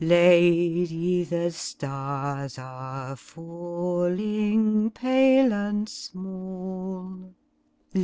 'Xady, the stars are falling pale and small.